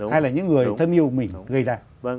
hay là những người thân yêu mình gây ra